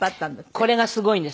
これがすごいんです。